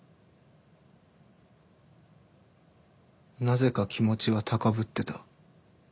なぜか気持ちは高ぶってた。